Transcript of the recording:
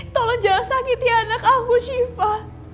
tolong jangan sakiti anak aku syifa